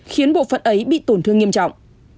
khiến bộ phận ấy bị tổn thương nghiêm trọng